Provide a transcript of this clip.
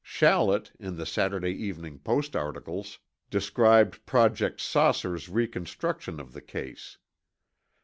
Shallet, in the Saturday Evening Post articles, described Project "Saucer's" reconstruction of the case.